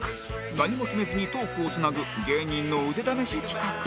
何も決めずにトークをつなぐ芸人の腕試し企画